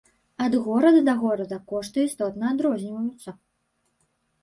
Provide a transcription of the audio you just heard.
Ад горада да горада кошты істотна адрозніваюцца!